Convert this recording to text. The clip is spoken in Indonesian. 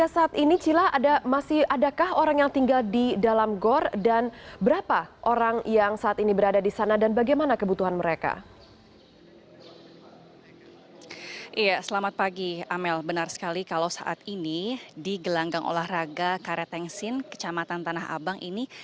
benar sekali kalau saat ini di gelanggang olahraga karetengsin kecamatan tanah abang ini